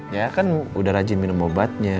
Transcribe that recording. ya kan udah rajin minum obatnya